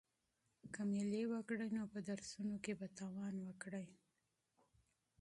که مېله وکړې نو په درسونو کې به تاوان وکړې.